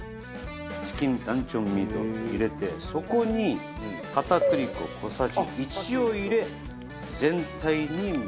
チキンランチョンミートを入れてそこに片栗粉小さじ１を入れ全体にまぶします。